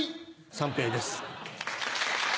三平です。